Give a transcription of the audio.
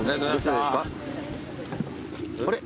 あれ？